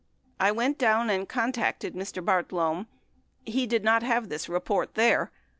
I went down and contacted Mr. Bartlome. He did not have this report there.